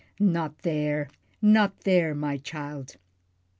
Not there, not there, my child!